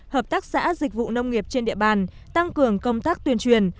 hợp tác xã dịch vụ nông nghiệp trên địa bàn tăng cường công tác tuyên truyền